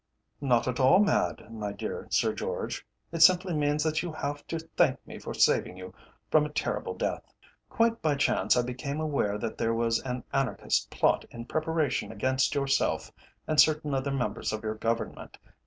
"Not at all mad, my dear Sir George. It simply means that you have to thank me for saving you from a terrible death. Quite by chance I became aware that there was an anarchist plot in preparation against yourself and certain other members of your Government.